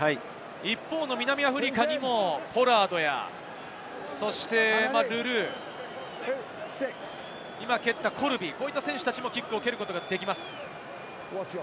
一方の南アフリカにもポラードやルルー、今蹴ったコルビ、こういった選手たちもキックを蹴ることができます。